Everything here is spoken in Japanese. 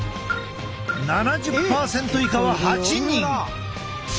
７０％以下は８人。